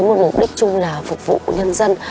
một mục đích chung là phục vụ nhân dân